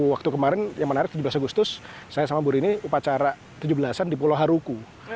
waktu kemarin yang menarik tujuh belas agustus saya sama bu rini upacara tujuh belas an di pulau haruku